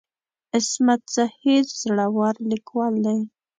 عصمت زهیر زړور ليکوال دی.